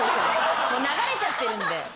流れちゃってるんで。